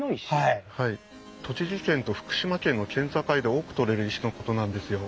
栃木県と福島県の県境で多く採れる石のことなんですよ。